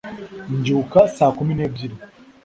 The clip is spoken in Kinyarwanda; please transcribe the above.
mbyuka saa kumi n'ebyiri